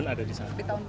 orban ada di sana